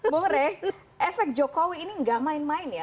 bumre efek jokowi ini tidak main main ya